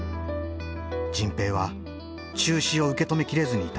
迅平は中止を受け止めきれずにいた。